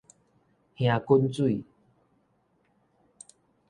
燃滾水